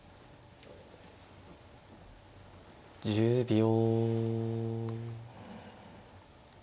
１０秒。